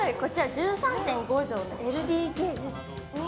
こちら１３．５畳のＬＤＫです。